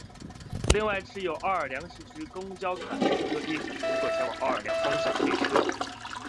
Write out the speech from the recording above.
另外持有奥尔良市区公交卡的乘客亦可乘坐前往奥尔良站方向的列车。